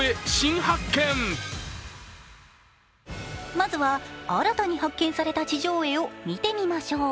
まずは、新たに発見された地上絵を見てみましょう。